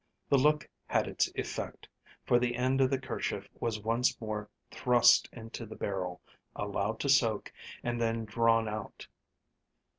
The look had its effect, for the end of the kerchief was once more thrust into the barrel, allowed to soak, and then drawn out.